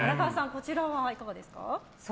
こちらはいかがですか？